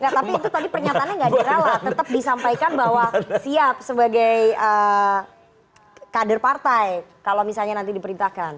tapi itu tadi pernyataannya nggak direla tetap disampaikan bahwa siap sebagai kader partai kalau misalnya nanti diperintahkan